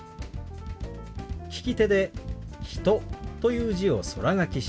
利き手で「人」という字を空書きします。